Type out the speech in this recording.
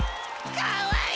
かわいい！